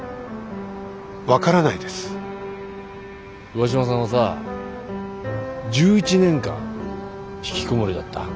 上嶋さんはさ１１年間ひきこもりだった。